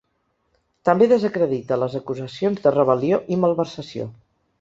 També desacredita les acusacions de rebel·lió i malversació.